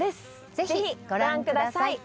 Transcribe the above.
ぜひご覧ください